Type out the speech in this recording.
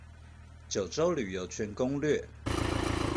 九州旅遊全攻略